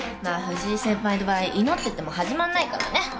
まあ藤井先輩の場合祈ってても始まんないからね。